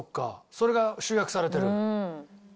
それが集約されてる？